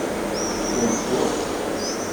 La yettru.